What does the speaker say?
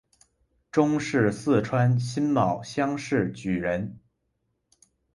中式四川辛卯乡试举人。